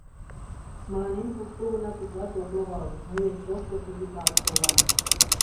— Мыланем куштылгынак утлаш ок логал, мый вет тошто судитлалтше улам.